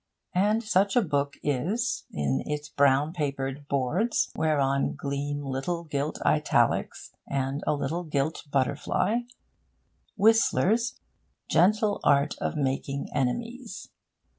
And such a book is, in its brown papered boards, whereon gleam little gilt italics and a little gilt butterfly, Whistler's Gentle Art of Making Enemies.